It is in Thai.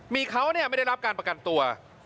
มีเขาไม่ได้รับการประกันตัว